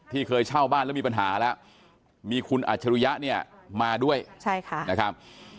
ที่เคยเช่าบ้านแล้วมีปัญหาแล้วมีคุณอาจารยะเนี่ยมาด้วยนะครับ